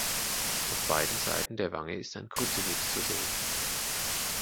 Auf beiden Seiten der Wange ist ein Kruzifix zu sehen.